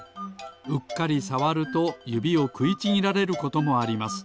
うっかりさわるとゆびをくいちぎられることもあります。